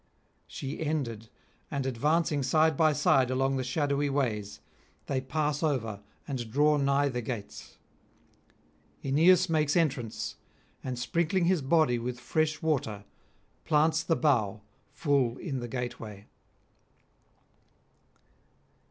She ended, and advancing side by side along the shadowy ways, they pass over and draw nigh the gates. Aeneas makes entrance, and sprinkling his body with fresh water, plants the bough full in the gateway.